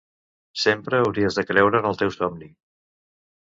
sempre hauries de creure en el teu somni